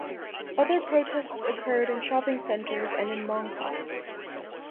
Other protests occurred in shopping centres and in Mong Kok.